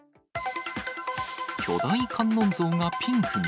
巨大観音像がピンクに。